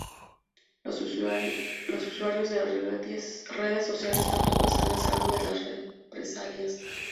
Los usuarios de redes sociales tampoco están a salvo de las represalias.